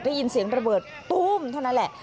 ได้ยินเสียงระเบิดตู้มเท่านั้นแหละ